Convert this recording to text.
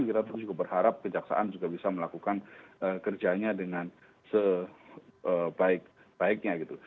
kita tentu juga berharap kejaksaan juga bisa melakukan kerjanya dengan sebaiknya gitu